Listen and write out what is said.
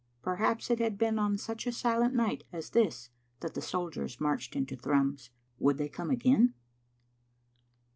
Perhaps it had been on such a silent night as this that the soldiers marched into Thrums. Would they come again?